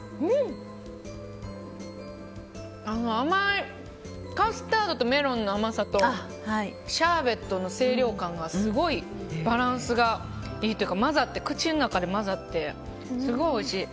甘いカスタードとメロンの甘さとシャーベットの清涼感がすごいバランスがいいというか口の中で混ざってすごいおいしい。